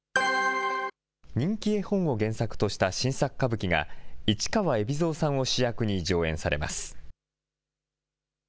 人気絵本を原作とした新作歌舞伎が、市川海老蔵さんを主役に上演されます。